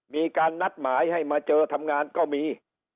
มีการนัดหมายให้มาเจอทำงานก็มี